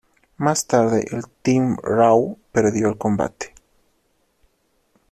Más tarde, el Team Raw perdió el combate.